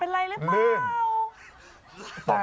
เป็นไรรึเปล่า